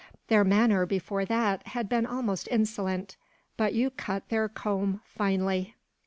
Their manner, before that, had been almost insolent. But you cut their comb finely."